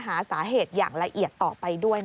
หาสาเหตุอย่างละเอียดต่อไปด้วย